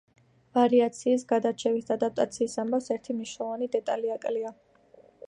ვარიაციის, გადარჩევის და ადაპტაციის ამბავს ერთი მნიშვნელოვანი დეტალი აკლია.